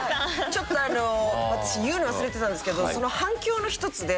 ちょっと私言うの忘れてたんですけど反響の１つで。